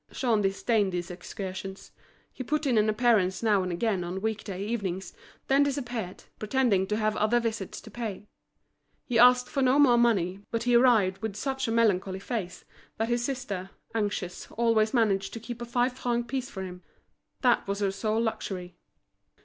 Jean disdained these excursions; he put in an appearance now and again on week day evenings, then disappeared, pretending to have other visits to pay; he asked for no more money, but he arrived with such a melancholy face, that his sister, anxious, always managed to keep a five franc piece for him. That was her sole luxury.